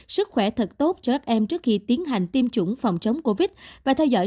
sức khỏe thật tốt cho các em trước khi tiến hành tiêm chủng phòng chống covid và theo dõi